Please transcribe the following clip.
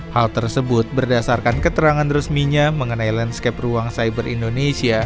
hal tersebut berdasarkan keterangan resminya mengenai landscape ruang cyber indonesia